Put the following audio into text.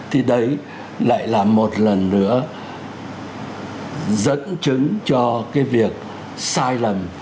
thì đấy lại là một lần nữa dẫn chứng cho cái việc sai lầm